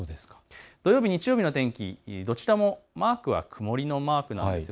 土曜日、日曜日どちらもマークは曇りのマークです。